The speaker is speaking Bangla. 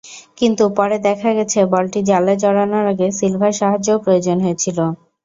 কিন্তু পরে দেখা গেছে, বলটি জালে জড়ানোর আগে সিলভার সাহায্যও প্রয়োজন হয়েছিল।